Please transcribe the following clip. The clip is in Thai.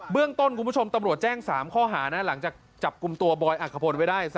เรื่องต้นคุณผู้ชมตำรวจแจ้ง๓ข้อหานะหลังจากจับกลุ่มตัวบอยอักขพลไว้ได้